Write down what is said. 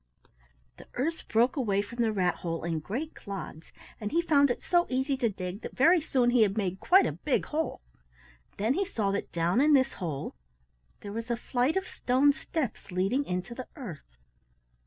The earth broke away from the rat hole in great clods, and he found it so easy to dig that very soon he had made quite a big hole. Then he saw that down in this hole there was a flight of stone steps leading into the earth.